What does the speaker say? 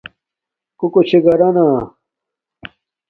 کوکو چھے گھرانا